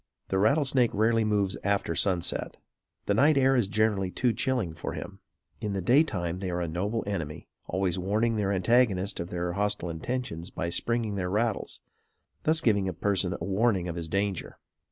The rattlesnake rarely moves after sunset. The night air is generally too chilling for him. In the day time they are a noble enemy, always warning their antagonist of their hostile intentions by springing their rattles, thus giving a person warning of his danger.